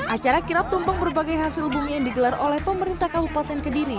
acara kirap tumpeng berbagai hasil bumi yang digelar oleh pemerintah kabupaten kediri